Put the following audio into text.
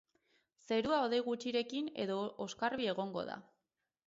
Zerua hodei gutxirekin edo oskarbi egongo da.